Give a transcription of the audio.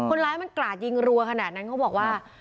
คนร้ายมันกราดยิงรัวขนาดนั้นเขาบอกว่า